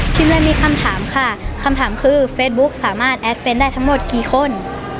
เลยมีคำถามค่ะคำถามคือเฟซบุ๊กสามารถแอดเฟนต์ได้ทั้งหมดกี่คน